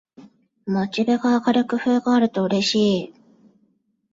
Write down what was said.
モチベが上がる工夫があるとうれしい